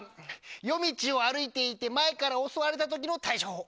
夜道を歩いていて前から襲われた時の対処法。